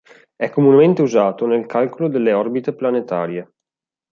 È comunemente usato nel calcolo delle orbite planetarie.